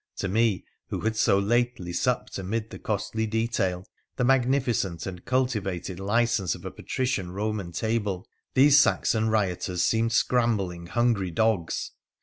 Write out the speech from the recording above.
To me, wh had so lately supped amid the costly detail, the magnificen and cultivated license of a patrician Koman table, these Saxo: rioters seemed scrambling, hungry dogs.